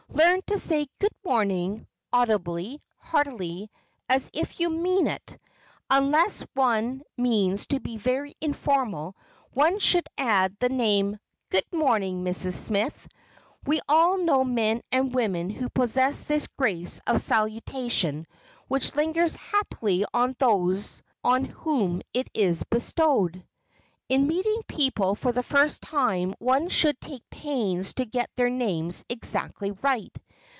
Learn to say "Good morning!" audibly, heartily, as if you meant it. Unless one means to be very informal one should add the name, "Good morning, Miss Smith." We all know men and women who possess this grace of salutation which lingers happily on those on whom it is bestowed. In meeting people for the first time one should take pains to get their names exactly right.